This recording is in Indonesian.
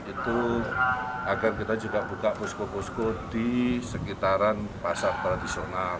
itu agar kita juga buka posko posko di sekitaran pasar tradisional